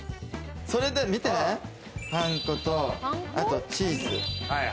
それで見て、パン粉とチーズ。